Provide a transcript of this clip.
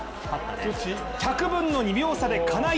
１００分の２秒差で金井。